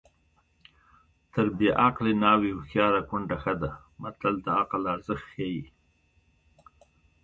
تر بې عقلې ناوې هوښیاره کونډه ښه ده متل د عقل ارزښت ښيي